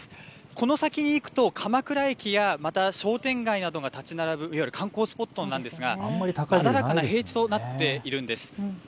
この先に行くと鎌倉駅やまた商店街などが建ち並ぶいわゆる観光スポットですが平地となっているんです。